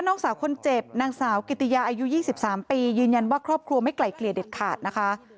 น้องสาวคนเจ็บนางสาวกิติยาอายุ๒๓ปียืนยันว่าครอบครัวไม่ไกลเกลี่ยเด็ดขาดนะคะ